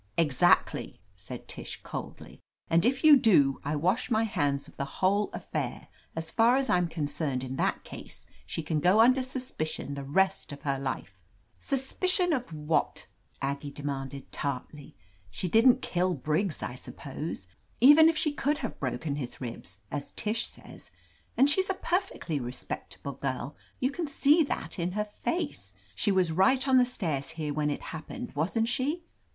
"Exactly," said Tish, coldly. "And if you do, I wash my hands of the whole affair. As far as I'm concerned in that case, she can go under suspicion the rest of her life." "Suspicion of what?" Aggie demanded tartly. "She didn't kill Briggs, I suppose. Even if she could have broken his ribs, as Tish says, and she's a perfectly respectable girl — ^you can see that in her face — ^she was right on the stairs here when it happened, wasn't she?"